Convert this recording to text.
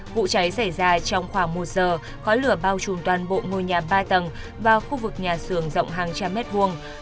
vụ cháy xảy ra trong khoảng một giờ khói lửa bao trùm toàn bộ ngôi nhà ba tầng và khu vực nhà xưởng rộng hàng trăm mét vuông